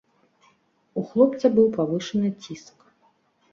У хлопца быў павышаны ціск.